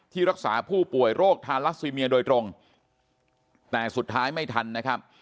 รักษาผู้ป่วยโรคทารัสซีเมียโดยตรงแต่สุดท้ายไม่ทันนะครับ